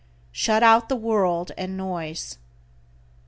Shut out the world and noise.